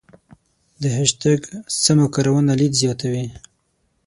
د هشتګ سمه کارونه لید زیاتوي.